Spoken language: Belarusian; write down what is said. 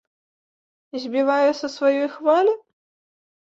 Збівае са сваёй хвалі?